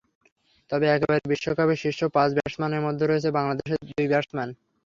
তবে এবারের বিশ্বকাপের শীর্ষ পাঁচ ব্যাটসম্যানের মধ্যে রয়েছে বাংলাদেশের দুই ব্যাটসম্যান।